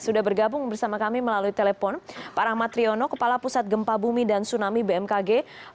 sudah bergabung bersama kami melalui telepon pak rahmat riono kepala pusat gempa bumi dan tsunami bmkg